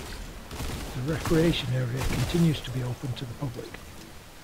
The Recreation Area continues to be open to the public.